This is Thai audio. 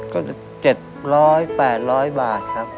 ก็จะเจ็บร้อยแปดร้อยบาทครับ